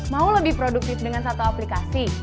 mau lebih produktif dengan satu aplikasi